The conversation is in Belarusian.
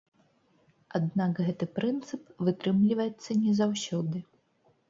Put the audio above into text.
Аднак гэты прынцып вытрымліваецца не заўсёды.